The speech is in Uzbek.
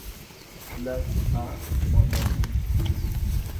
— Anavi ola govmishingiz mol emas ekan, ostiga yo‘latmadi.